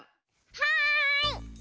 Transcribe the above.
はい！